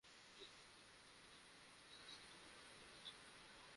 Elizabeth Elizabeth, আমি Geoffrey এবং থিসকে তোমার ব্যাপারে বলছিলাম।